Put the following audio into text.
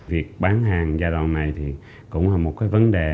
việc bán hàng gia đoàn này thì cũng là một cái vấn đề